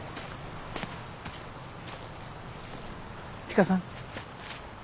千佳さん。